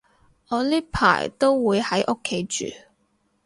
我呢排都會喺屋企住